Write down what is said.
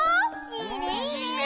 いいねいいね！